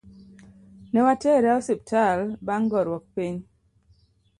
Newatere e osiptal bang goruok piny.